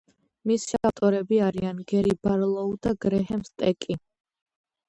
მისი ავტორები არიან გერი ბარლოუ და გრეჰემ სტეკი.